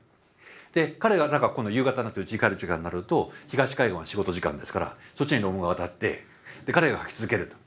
で彼らが今度夕方になってうちに帰る時間になると東海岸は仕事時間ですからそっちに論文が渡って彼が書き続けると。